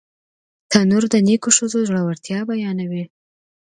تنور د نیکو ښځو زړورتیا بیانوي